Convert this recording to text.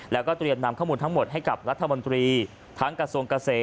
แล้วก็เตรียมนำข้อมูลทั้งหมดให้กับรัฐมนตรีทั้งกระทรวงเกษตร